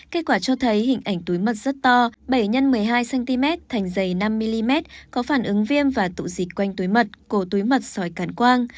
kết quả cho thấy hình ảnh túi mật rất to bảy x một mươi hai cm thành dày năm mm có phản ứng viêm và tụ dịch quanh túi mật cổ túi mật sỏi cạn quang